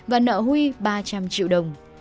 và nợ huy ba trăm linh triệu đồng